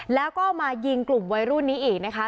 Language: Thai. แล้วก็มายิงกลุ่มวัยรุ่นนี้อีกนะคะ